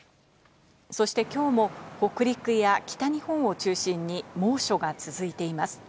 そしてきょうも北陸や北日本を中心に猛暑が続いています。